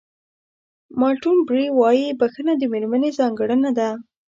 مالټون بېري وایي بښنه د مېرمنې ځانګړنه ده.